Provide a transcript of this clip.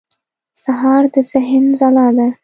سهار د ذهن ځلا ده.